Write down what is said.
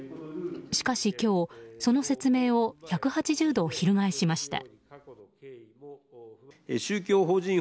しかし今日、その説明を１８０度翻しました。